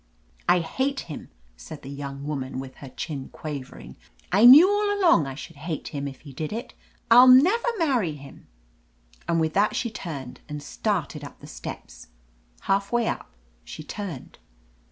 "I hate him," said the young woman, with her chin quivering. "I knew all along I should hate him if he did it. I — ^I'll never marry him." And with that she turned and started up the steps. Half way up she turned.